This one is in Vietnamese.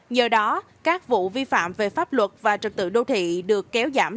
nhờ đó các vụ vi phạm về pháp luật và trật tự đô thị được kéo giảm